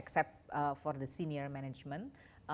selain dari senior management